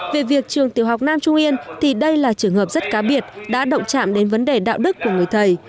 về việc trường tiểu học nam trung yên thì đây là trường hợp rất cá biệt đã động chạm đến vấn đề đạo đức của người thầy